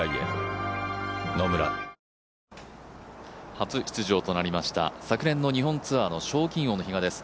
初出場となりました、昨年のツアーの賞金王の比嘉です。